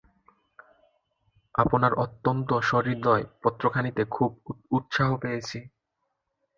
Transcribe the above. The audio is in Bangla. আপনার অত্যন্ত সহৃদয় পত্রখানিতে খুব উৎসাহ পেয়েছি।